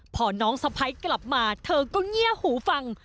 พอน้องสะพ้ายกลับมาเธอก็เงียบหูฟัง